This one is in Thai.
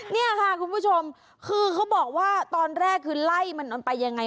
นี่ค่ะคุณผู้ชมคือเขาบอกว่าตอนแรกคือไล่มันเอาไปยังไง